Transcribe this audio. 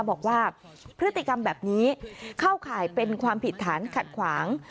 บอกว่าพฤติกรรมแบบนี้เข้าข่ายเป็นความผิดฐานขัดขวาง